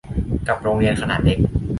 กับโรงเรียนขนาดเล็ก